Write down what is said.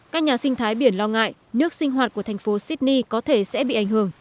các nhà sinh thái biển lo ngại nước sinh hoạt của thành phố sydney có thể sẽ bị ảnh hưởng